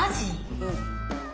うん。